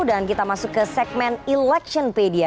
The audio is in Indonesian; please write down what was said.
dan kita masuk ke segmen electionpedia